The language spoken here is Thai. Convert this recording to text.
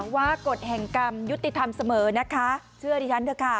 ว่ากฎแห่งกรรมยุติธรรมเสมอนะคะเชื่อดิฉันเถอะค่ะ